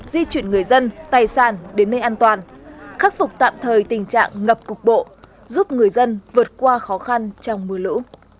di chuyển người dân tài sản đến nơi an toàn khắc phục tạm thời tình trạng ngập cục bộ giúp người dân vượt qua khó khăn trong mưa lũ